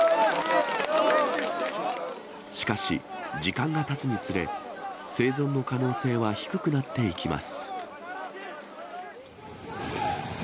しかし、時間がたつにつれ、生存の可能性は低くなっていきます。